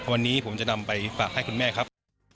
วันนี้ผมจะนำไปฝากให้คุณแม่ครับ